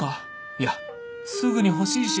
いやすぐに欲しいし